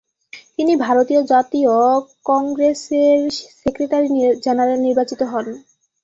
তিনি ভারতীয় জাতীয় কংগ্রেসের সেক্রেটারি জেনারেল নির্বাচিত হন।